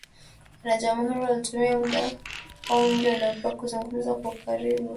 Wanajamuhuri walitumia muda wao mwingi waliopewa kuzungumza kwa ukaribu